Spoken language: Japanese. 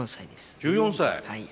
１４歳。